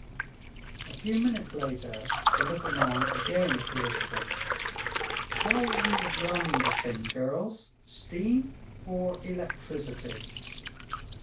A few minutes later the little man again appealed to them. "How'll we run the thing, girls; steam or electricity?"